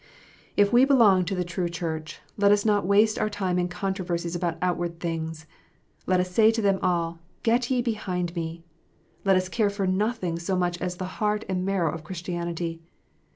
If we belong to the true Church, let us not waste our time in controversies about outward things. Let us say to them all, " Get ye behind me." Let us care for nothing so much as the heart and marrow of Christianity.